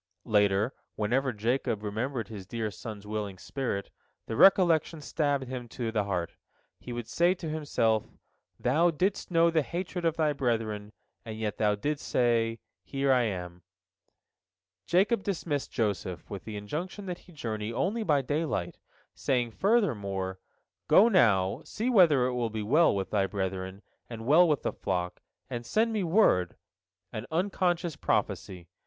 Later, whenever Jacob remembered his dear son's willing spirit, the recollection stabbed him to the heart. He would say to himself, "Thou didst know the hatred of thy brethren, and yet thou didst say, Here am I." Jacob dismissed Joseph, with the injunction that he journey only by daylight, saying furthermore, "Go now, see whether it be well with thy brethren, and well with the flock; and send me word"—an unconscious prophecy.